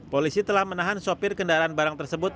polisi telah menahan sopir kendaraan barang tersebut